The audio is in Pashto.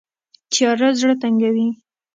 تیاره زړه تنګوي